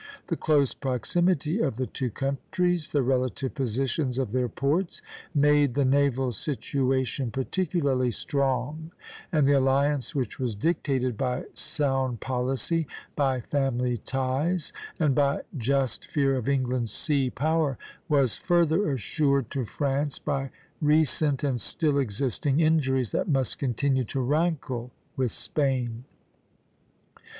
The close proximity of the two countries, the relative positions of their ports, made the naval situation particularly strong; and the alliance which was dictated by sound policy, by family ties, and by just fear of England's sea power, was further assured to France by recent and still existing injuries that must continue to rankle with Spain.